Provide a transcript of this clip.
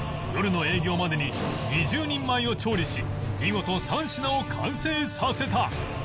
夜の営業までに２０人前を調理し見事３品を完成させた